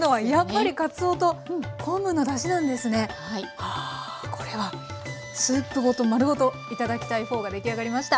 あこれはスープごと丸ごと頂きたいフォーが出来上がりました。